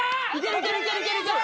いけるいける！